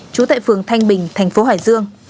trú tại phường thanh bình thành phố hải dương